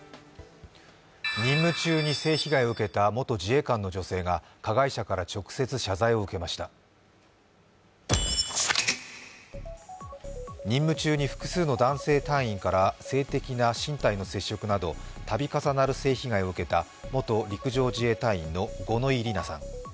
任務中に性被害を受けた元自衛官の女性が加害者から直接、謝罪を受けました任務中に複数の男性隊員から性的な身体接触など度重なる性被害を受けた、元陸上自衛隊員の五ノ井里奈さん。